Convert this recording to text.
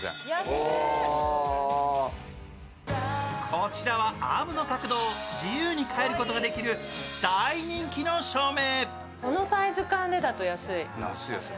こちらはアームの角度を自由に変えることができる大人気の照明。